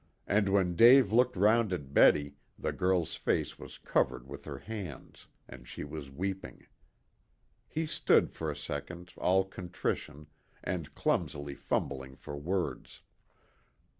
And when Dave looked round at Betty the girl's face was covered with her hands, and she was weeping. He stood for a second all contrition, and clumsily fumbling for words.